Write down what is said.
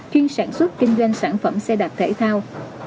chuyên sản xuất kinh doanh sản phẩm xe đạp thể thao